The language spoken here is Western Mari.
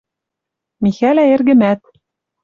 Михӓлӓ эргӹмӓт